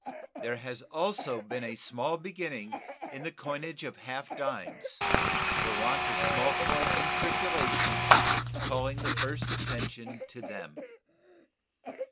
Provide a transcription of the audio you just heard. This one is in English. There has also been a small beginning in the coinage of half dimes, the want of small coins in circulation calling the first attention to them.